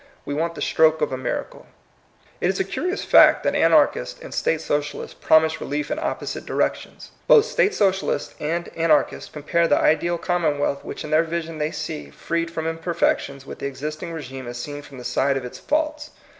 We want the stroke of a miracle. It is a curious fact that Anarchists and State Socialists promise relief in opposite directions. Both State Socialists and An archists compare the ideal commonwealth which in their vision they see, freed from imperfections, with the existing rSgime as seen from the side of its faults.